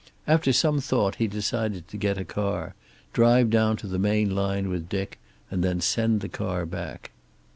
After some thought he decided to get a car, drive down to the main line with Dick, and then send the car back.